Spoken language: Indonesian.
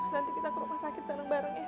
nanti kita ke rumah sakit bareng bareng ya